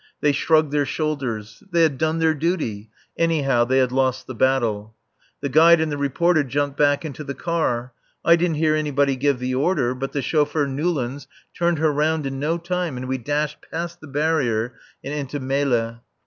They shrugged their shoulders. They had done their duty. Anyhow, they had lost the battle. The guide and the reporter jumped back into the car; I didn't hear anybody give the order, but the chauffeur Newlands turned her round in no time, and we dashed past the barrier and into Melle.